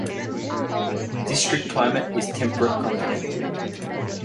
District climate is temperate-continental.